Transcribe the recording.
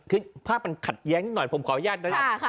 คือภาพมันขัดแย้งนิดหน่อยผมขออนุญาตระดับ